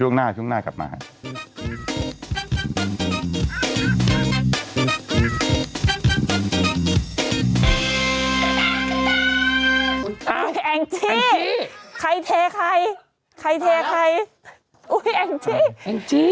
แอ่งจี้ใครเทใครค่อยใครเทใครเอิ้งจี้บันดี